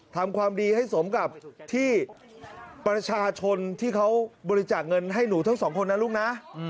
ทำความดีให้สมกับที่ประชาชนที่เขาบริจาคเงินให้หนูทั้งสองคนนะลูกนะ